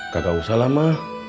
gak usah lama